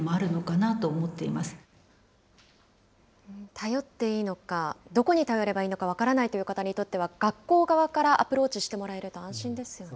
頼っていいのか、どこに頼ればいいのか分からないという方にとっては、学校側からアプローチしてもらえると安心ですよね。